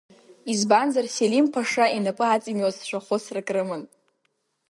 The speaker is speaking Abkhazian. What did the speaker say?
Избанзар, Селим Ԥаша инапы аҵимҩуазшәа хәыцрак рыман.